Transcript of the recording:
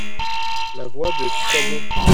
La voix de Piquoiseau.